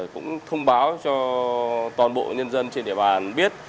cũng thông báo cho toàn bộ nhân dân trên địa bàn biết